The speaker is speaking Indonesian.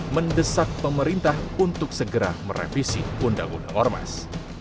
mendesak pemerintah untuk segera merevisi undang undang ormas